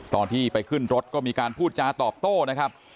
ตอนที่ไปขึ้นรถก็มีการพูดจาตอบโต้นะครับ